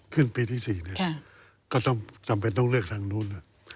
ขึ้นปีที่๔ก็จำเป็นต้องเลือกทางนู้น